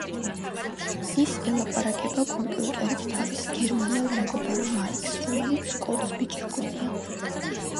ის ელაპარაკება კომპიუტერით თავის გერმანელ მეგობარ მაიკს რომელიც სკოტს ბიჭი ჰგონია.